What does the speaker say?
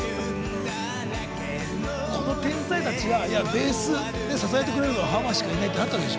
この天才たちがベース、支えてくれるのはハマしかいないってなったんでしょ。